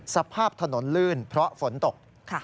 สภาพถนนลื่นเพราะฝนตก